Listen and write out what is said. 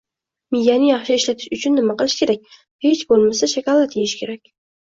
Miyani yaxshi ishlatish uchun nima qilish kerak – hech bo‘lmasa, shokolad yeyish kerak!